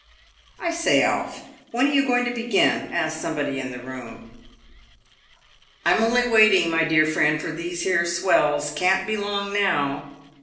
"I say, Alf, when are you going to begin?" asked somebody in the room. " I'm only waiting, my dear friend, for these here swells. Can't be long now."